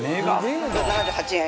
７８円。